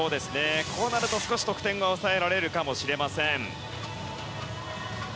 こうなると少し得点は抑えられるかもしれません。